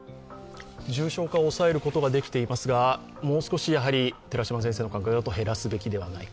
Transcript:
重症化を抑えることができていますが、もう少し減らすべきではないか。